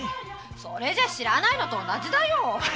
それじゃ知らないのと同じだよ。